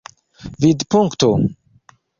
vidpunkto